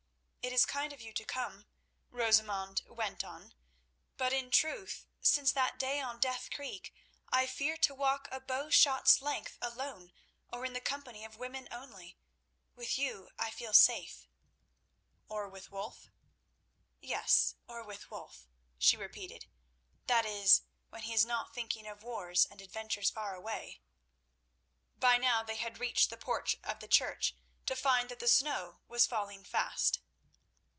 "It is kind of you to come," Rosamund went on; "but, in truth, since that day on Death Creek I fear to walk a bow shot's length alone or in the company of women only. With you I feel safe." "Or with Wulf?" "Yes; or with Wulf," she repeated; "that is, when he is not thinking of wars and adventures far away." By now they had reached the porch of the church, to find that the snow was falling fast.